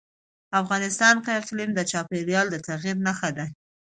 افغانستان کې اقلیم د چاپېریال د تغیر نښه ده.